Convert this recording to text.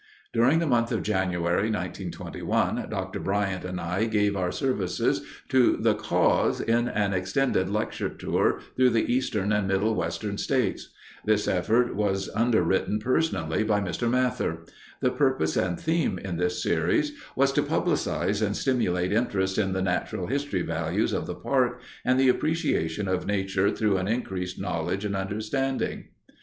During the month of January, 1921, Dr. Bryant and I gave our services to the cause in an extended lecture tour through the eastern and middle western states. This effort was underwritten personally by Mr. Mather. The purpose and theme in this series was to publicize and stimulate interest in the natural history values of the park and the appreciation of nature through an increased knowledge and understanding.